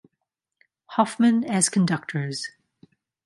Hoffmann as conductors.